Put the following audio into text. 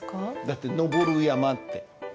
だって「登る山」って。